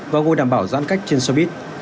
và gọi đảm bảo giãn cách trên xe buýt